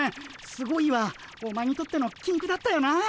「すごい」はお前にとってのきんくだったよな。